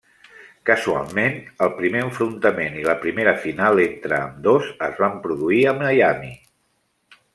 Casualment, el primer enfrontament i la primera final entre ambdós es van produir a Miami.